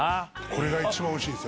これが一番おいしいです。